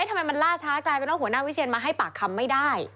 ทำไมมันล่าช้ากลายเป็นว่าหัวหน้าวิเชียนมาให้ปากคำไม่ได้